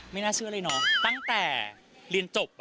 น่าเชื่อเลยเนอะตั้งแต่เรียนจบ